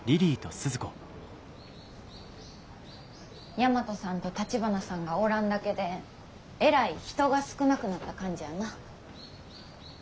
大和さんと橘さんがおらんだけでえらい人が少なくなった感じやな。